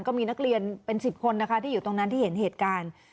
ก็มีนักเรียนเป็น๑๐คนนะคะที่อยู่ตรงนั้นที่เห็นเหตุการณ์